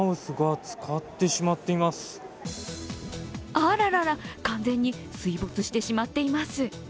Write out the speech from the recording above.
あらら、完全に水没してしまっています。